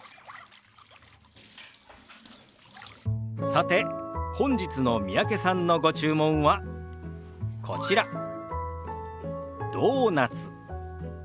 さて本日の三宅さんのご注文はこちら「ドーナツ」。